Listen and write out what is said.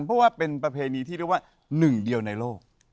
เพราะว่าเป็นประเพณีที่เรียกว่าหนึ่งเดียวในโลก